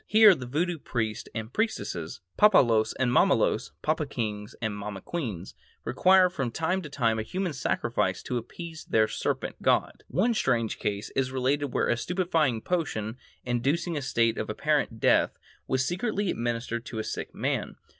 Here the Voodoo priests and priestesses, papalois and mamalois (papa kings and mama queens) require from time to time a human sacrifice to appease their serpent god. One strange case is related where a stupefying potion, inducing a state of apparent death, was secretly administered to a sick man.